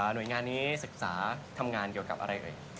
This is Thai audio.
หน่วยงานนี้ศึกษาทำงานเกี่ยวกับอะไรเอ่ย